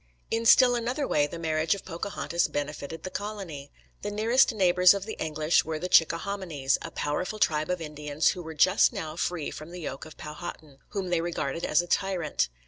In still another way the marriage of Pocahontas benefited the colony. The nearest neighbours of the English were the Chickahominys, a powerful tribe of Indians who were just now free from the yoke of Powhatan, whom they regarded as a tyrant.